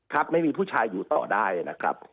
ครับไม่มีผู้ชายอยู่ต่อได้นะครับ